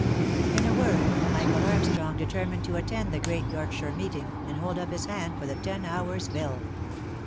In a word, Michael Armstrong determined to attend the great Yorkshire meeting, and hold up his hand for the ten hours bill.